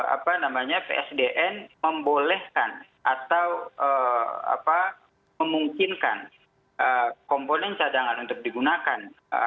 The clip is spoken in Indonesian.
apa namanya psdn membolehkan atau memungkinkan komponen cadangan untuk digunakan